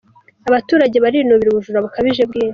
Abaturage barinubira ubujura bukabije bw’inka